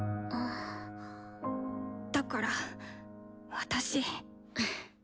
だから私。